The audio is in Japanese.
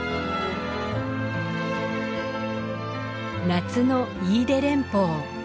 夏の飯豊連峰。